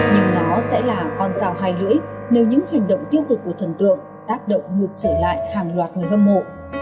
nhưng nó sẽ là con rào hai lưỡi nếu những hành động tiêu cực của thần tượng tác động ngược trở lại hàng loạt người hâm mộ